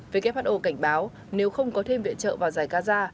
who cảnh báo nếu không có thêm viện trợ vào giải gaza